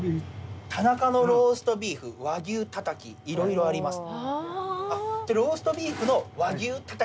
「田中のローストビーフ和牛タタキいろいろあります」